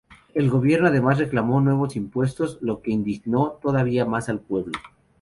El gobierno además reclamó nuevos impuestos, lo que indignó todavía más al pueblo.